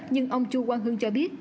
nhưng ông chu quang hưng cho biết